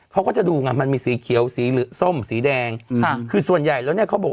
เขาก็จะดูไงมันมีสีเขียวสีเหลือส้มสีแดงอืมคือส่วนใหญ่แล้วเนี่ยเขาบอก